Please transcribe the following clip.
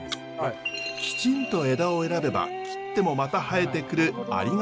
きちんと枝を選べば切ってもまた生えてくるありがたい木です。